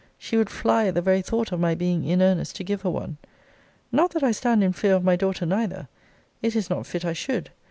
She would fly at the very thought of my being in earnest to give her one. Not that I stand in fear of my daughter neither. It is not fit I should.